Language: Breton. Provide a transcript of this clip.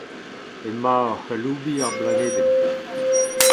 Emañ oc'h aloubiñ ar blanedenn.